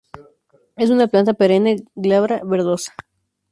Es una planta perenne, glabra, verdosa.